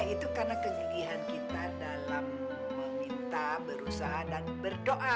itu karena kegigihan kita dalam meminta berusaha dan berdoa